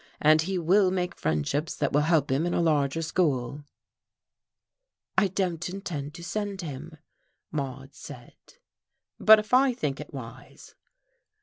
And he will make friendships that will help him in a larger school." "I don't intend to send him," Maude said. "But if I think it wise?"